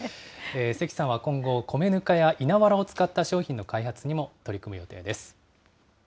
関さんは今後、米ぬかや稲わらを使った商品の開発にも取り組む予定です。